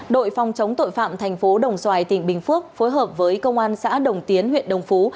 đội phòng chống tội phạm thành phố đồng xoài tỉnh bình phước phối hợp với công an xã đồng tiến huyện đồng phú